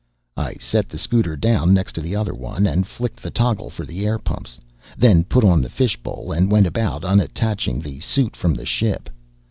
I set the scooter down next to the other one, and flicked the toggle for the air pumps, then put on the fishbowl and went about unattaching the suit from the ship.